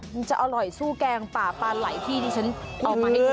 มันจะอร่อยสู้แกงป่าปลาไหล่ที่ดิฉันเอามาให้กิน